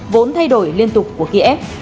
vốn thay đổi liên tục của kiev